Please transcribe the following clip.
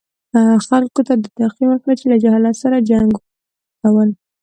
خلکو ته دا تلقین ورکوي چې له جهالت سره جنګ کول.